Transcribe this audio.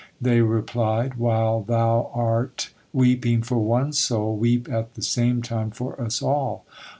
They replied, "While thou are weeping for one soul, weep at the same time for us all."